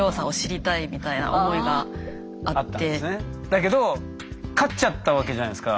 だけど勝っちゃったわけじゃないですか。